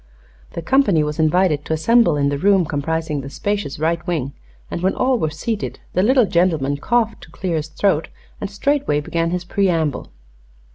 The company was invited to assemble in the room comprising the spacious right wing, and when all were seated the little gentleman coughed to clear his throat and straightway began his preamble.